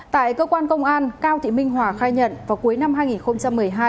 tại cơ quan công an cao thị minh hòa khai nhận vào cuối năm hai nghìn một mươi hai